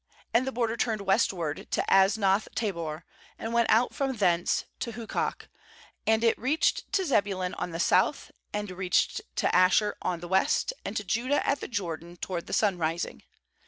wAnd the border turned westward to Aznoth tabor, and went out from thence to Hukok; and it reached to Zebulun on the south, and reached to Asher on the west, and to Judah at the Jordan toward the sun rising.